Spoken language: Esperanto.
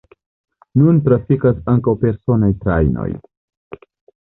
Nun trafikas ankaŭ personaj trajnoj.